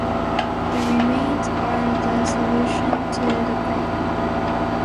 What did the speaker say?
The remains are the solution to the problem.